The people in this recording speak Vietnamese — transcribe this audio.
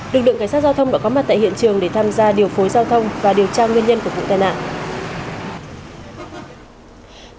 lực lượng cảnh sát giao thông đã có mặt tại hiện trường để tham gia điều phối giao thông và điều tra nguyên nhân của vụ tai nạn